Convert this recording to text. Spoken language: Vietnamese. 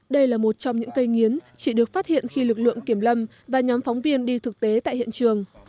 đây là một trong những cây nghiến chỉ được phát hiện khi lực lượng kiểm lâm và nhóm phóng viên đi thực tế tại hiện trường